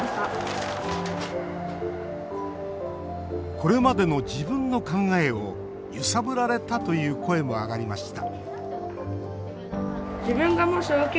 これまでの自分の考えを揺さぶられたという声も上がりました